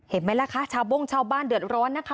เห็นไหมล่ะคะชาวโบ้งชาวบ้านเดือดร้อนนะคะ